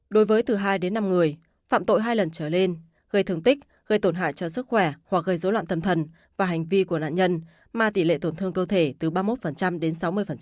đối với từ hai đến năm người phạm tội hai lần trở lên gây thương tích gây tổn hại cho sức khỏe hoặc gây dối loạn tâm thần và hành vi của nạn nhân mà tỷ lệ tổn thương cơ thể từ ba mươi một đến sáu mươi